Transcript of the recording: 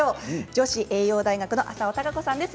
女子栄養大学の浅尾貴子さんです。